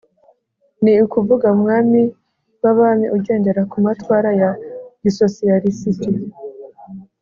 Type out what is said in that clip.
ni ukuvuga umwami w'abami ugendera ku matwara ya gisosiyalisiti